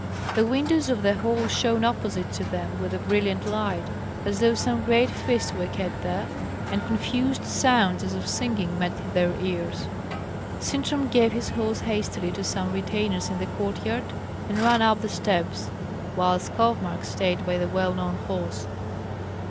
The windows of the hall shone opposite to them with a brilliant light, as though some great feast were kept there, and confused sounds, as of singing, met their ears. Sintram gave his horse hastily to some retainers in the court yard, and ran up the steps, whilst Skovmark stayed by the well known horse.